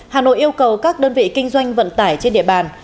hà nội yêu cầu các đơn vị kinh doanh vận tải trên địa bàn